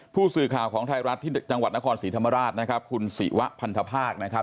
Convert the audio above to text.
ผู้สื่อข่าวของไทยรัฐที่จังหวัดนครศรีธรรมราชนะครับคุณศิวะพันธภาคนะครับ